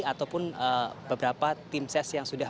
ataupun beberapa tim ses yang sudah